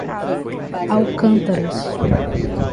Alcântaras